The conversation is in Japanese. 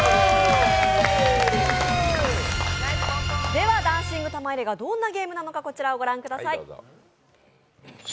では「ダンシング玉入れ」がどんなゲームなのかこちらをご覧ください。